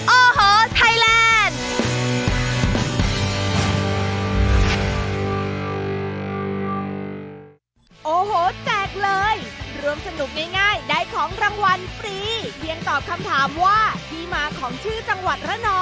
โอ้โหไทยแลนด์